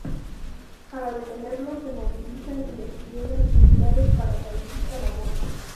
Para detenerlo se movilizan y despliegan unidades paracaidista Labor.